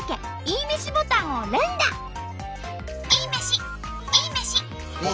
「いいめし」。